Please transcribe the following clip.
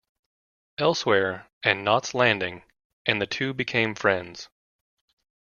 Elsewhere" and "Knots Landing", and the two became friends.